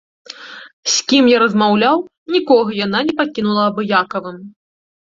З кім я размаўляў, нікога яна не пакінула абыякавым.